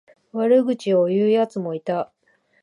悪口を言うやつもいた。